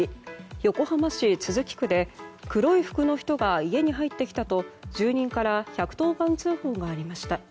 横浜市都筑区で黒い服の人が家に入ってきたと住人から１１０番通報がありました。